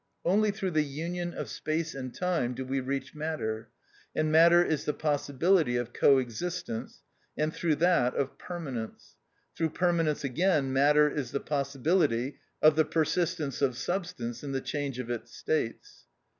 Only through the union of space and time do we reach matter, and matter is the possibility of co existence, and, through that, of permanence; through permanence again matter is the possibility of the persistence of substance in the change of its states.